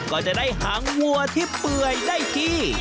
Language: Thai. ก็จะได้หางวัวที่เปื่อยได้ที่